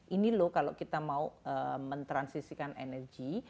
ini loh kalau kita mau mentransisikan energi